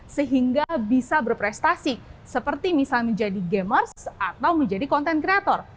sehingga bisa berprestasi seperti misalnya menjadi gamers atau menjadi content creator